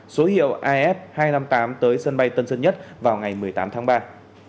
số hiệu af hai trăm năm mươi tám tới quán bar buddha vào ngày một mươi bốn tháng ba năm hai nghìn hai mươi